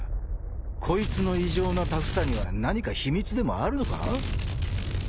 ［こいつの異常なタフさには何か秘密でもあるのか？］